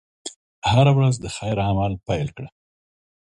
هره ورځ د خیر عمل پيل کړه.